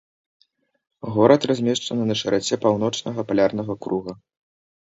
Горад размешчаны на шыраце паўночнага палярнага круга.